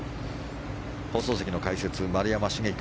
放送席の解説、丸山秀樹